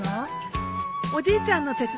おじいちゃんの手伝いだよ。